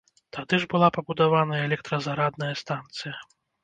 Тады ж была пабудавана электразарадная станцыя.